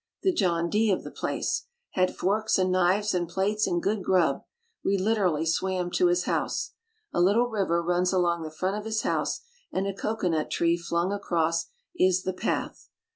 The John D of the Place. Had forks and knives and plates and good grub— we literally swam to his house. A little river runs along the front of his house and a cocoa nut tree flung across is the path.